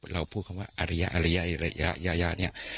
เราพูดคำว่าอารียะอารียะแบบนี้